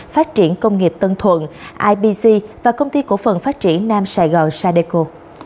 phát triển công nghiệp tân thuận ibc và công ty cổ phần phát triển nam sài gòn sadeco